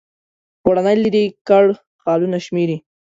پوړونی لیري کړ خالونه شمیري